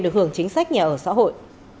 được hưởng chính sách nhà ở xã hội